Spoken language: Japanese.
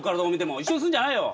一緒にするんじゃないよ！